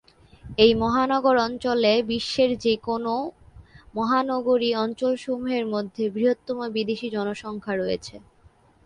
এই মহানগর অঞ্চলে বিশ্বের যে কোনও মহানগরী অঞ্চলসমূহের মধ্যে বৃহত্তম বিদেশী-জনসংখ্যা রয়েছে।